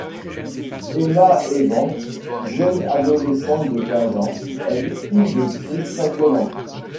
Emma Evans, jeune adolescente de quinze ans, est victime de crises très violentes.